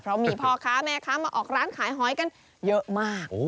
เพราะมีพ่อค้าแม่ค้ามาออกร้านขายหอยกันเยอะมาก